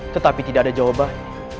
tetapi tidak ada jawaban